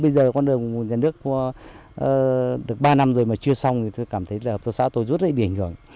bây giờ con đường nhà nước được ba năm rồi mà chưa xong thì tôi cảm thấy là hợp tác xã tôi rút lại bị ảnh hưởng